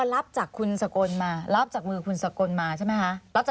รับจากมือคุณสะกนใช่ไหมคะ